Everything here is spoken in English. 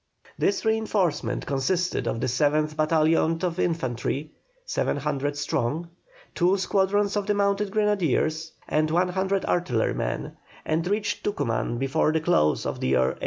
This reinforcement consisted of the 7th battalion of infantry, 700 strong, two squadrons of the mounted grenadiers, and 100 artillerymen, and reached Tucuman before the close of the year 1813.